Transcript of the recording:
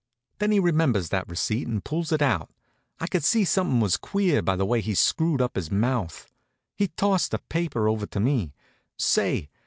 Then he remembers that receipt and pulls it out. I could see something was queer by the way he screwed up his mouth. He tosses the paper over to me. Say!